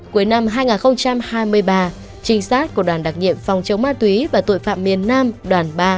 cuối năm hai nghìn hai mươi ba trinh sát của đoàn đặc nhiệm phòng chống ma túy và tội phạm miền nam đoàn ba